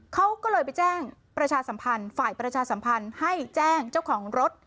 เขาก็เลยไปแจ้งประชาสัมพันธ์ฝ่ายประชาสัมพันธ์ให้แจ้งเจ้าของรถ